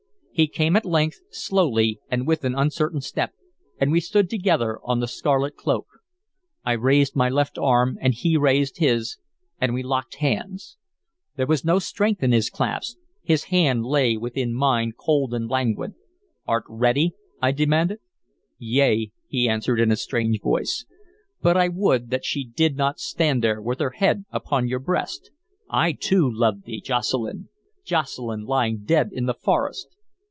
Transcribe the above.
He came at length, slowly and with an uncertain step, and we stood together on the scarlet cloak. I raised my left arm and he raised his, and we locked hands. There was no strength in his clasp; his hand lay within mine cold and languid. "Art ready?" I demanded. "Yea," he answered in a strange voice, "but I would that she did not stand there with her head upon your breast.... I too loved thee, Jocelyn, Jocelyn lying dead in the forest!"